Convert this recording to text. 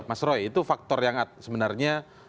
mas roy itu faktor yang sebenarnya